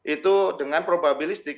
itu dengan probabilistik